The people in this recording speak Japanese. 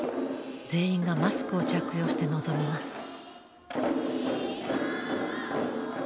全員がマスクを着用して臨みます。